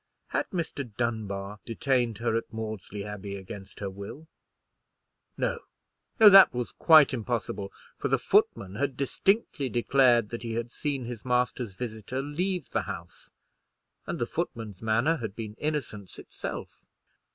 Had Mr. Dunbar detained her at Maudesley Abbey against her will? No, no, that was quite impossible; for the footman had distinctly declared that he had seen his master's visitor leave the house; and the footman's manner had been innocence itself.